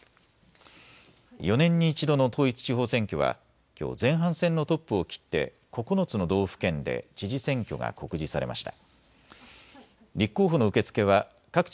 ４年に一度の統一地方選挙はきょう、前半戦のトップを切って、９つの道府県で知事選挙が告示されました。